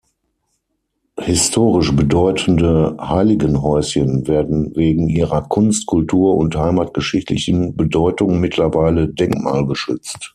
Historisch bedeutende Heiligenhäuschen werden wegen ihrer kunst-, kultur- und heimatgeschichtlichen Bedeutung mittlerweile denkmalgeschützt.